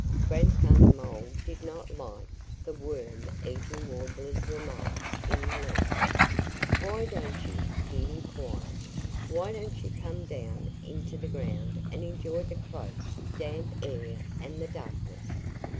Grandfather Mole did not like the Worm eating Warbler's remarks in the least! "Why don't you" he inquired "why don't you come down into the ground and enjoy the close, damp air and the darkness?